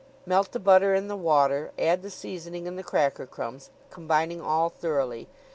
Melt the butter in the water, add the seasoning and the cracker crumbs, combining all thoroughly.